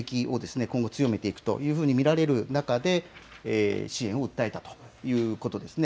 そこで反撃を今後、強めていくというふうに見られる中で支援を訴えたということです。